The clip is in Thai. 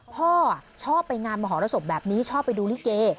พ่อชอบไปงานมหรสบแบบนี้ชอบไปดูลิเก